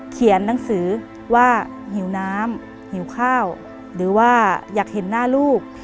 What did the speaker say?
เขียนหนังสือว่าหิวน้ำหิวข้าวหรือว่าอยากเห็นหน้าลูก